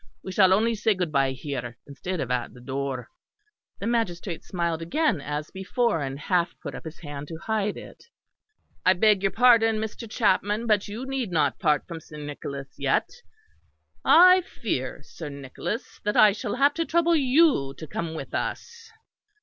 We shall only say good bye here, instead of at the door." The magistrate smiled again as before; and half put up his hand to hide it. "I beg your pardon, Mr. Chapman; but you need not part from Sir Nicholas yet. I fear, Sir Nicholas, that I shall have to trouble you to come with us."